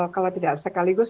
kalau tidak sekaligus